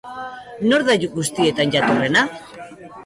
Nor da guztietan jatorrena?